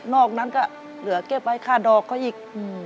อกนั้นก็เหลือเก็บไว้ค่าดอกเขาอีก